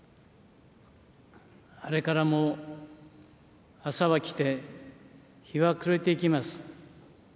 あれからも朝は来て、日は暮れていきます。